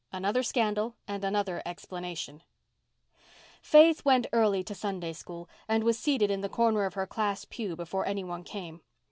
ANOTHER SCANDAL AND ANOTHER "EXPLANATION" Faith went early to Sunday School and was seated in the corner of her class pew before any one came.